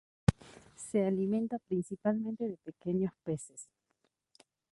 Se alimenta principalmente de pequeños peces.